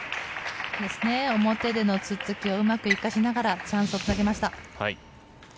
表でのツッツキをうまく生かしながらチャンスをつなげました。